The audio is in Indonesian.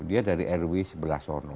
dia dari rw sebelah sono